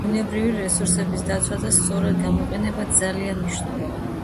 ბუნებრივი რესურსების დაცვა და სწორად გამოყენება ძალიან მნიშვნელოვანია.